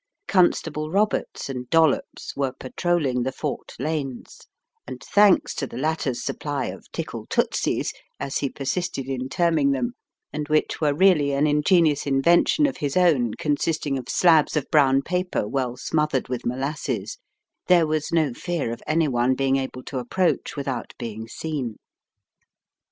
Constable Roberts and Dollops were patrol ling the forked lanes, and thanks to the latter's supply of "tickle tootsies" as he persisted in terming them and which were really an ingenious invention of his own consisting of slabs of brown paper well smoth ered with molasses, there was no fear of any one be ing able to approach without being seen.